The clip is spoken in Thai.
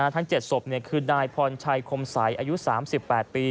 ทั้ง๗ศพคือนายพรชัยคมใสอายุ๓๘ปี